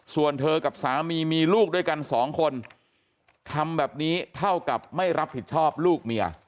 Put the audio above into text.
ส่วนเธอกับสามีมีลูกด้วยกันสองคนทำแบบนี้เท่ากับไม่รับผิดชอบลูกเมีย